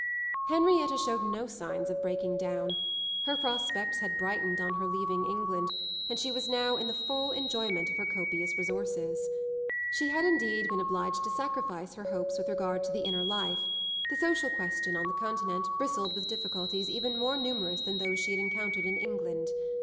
Henrietta showed no signs of breaking down. Her prospects had brightened on her leaving England, and she was now in the full enjoyment of her copious resources. She had indeed been obliged to sacrifice her hopes with regard to the inner life; the social question, on the Continent, bristled with difficulties even more numerous than those she had encountered in England.